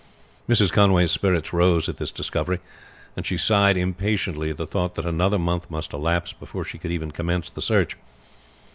Mrs. Conway's spirits rose at this discovery, and she sighed impatiently at the thought that another month must elapse before she could even commence the search.